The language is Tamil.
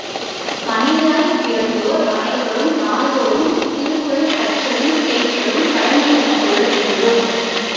மனிதராய்ப் பிறந்தோர் அனைவரும் நாள்தோறும் திருக்குறள் கற்றலும் கேட்டலும் கடமையெனக் கொள்ள வேண்டும்.